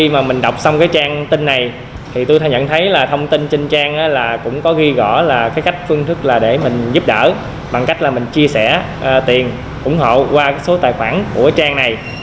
khi mà mình đọc xong cái trang tin này thì tôi nhận thấy là thông tin trên trang là cũng có ghi rõ là cái cách phương thức là để mình giúp đỡ bằng cách là mình chia sẻ tiền ủng hộ qua cái số tài khoản của trang này